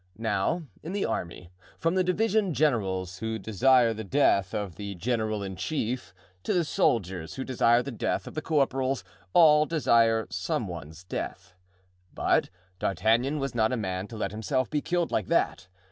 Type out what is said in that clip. Now in the army, from the division generals who desire the death of the general in chief, to the soldiers who desire the death of the corporals, all desire some one's death. But D'Artagnan was not a man to let himself be killed like that.